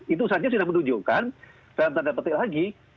itu saja sudah menunjukkan dalam tanda petik lagi